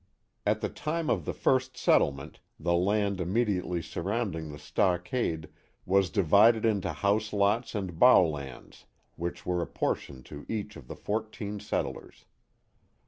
At the time of the first settlement the land immediately surrounding the stockade was divided into house lots and bouwlands, which were apportioned to each of the fourteen settlers.